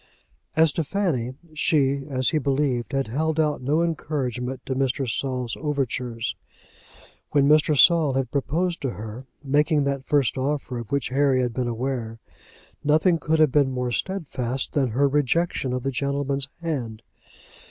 As to Fanny, she, as he believed, had held out no encouragement to Mr. Saul's overtures. When Mr. Saul had proposed to her, making that first offer of which Harry had been aware, nothing could have been more steadfast than her rejection of the gentleman's hand.